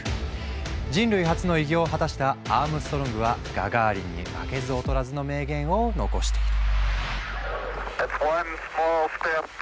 人類初の偉業を果たしたアームストロングはガガーリンに負けず劣らずの名言を残している。